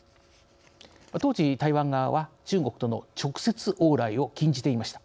当時台湾側は中国との直接往来を禁じていました。